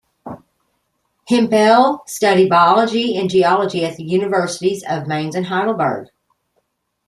Hempel studied biology and geology at the universities of Mainz and Heidelberg.